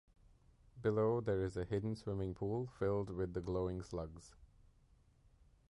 Below, there is a hidden swimming pool, filled with the glowing slugs.